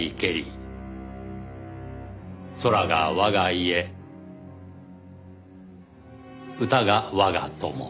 空が我が家歌が我が友」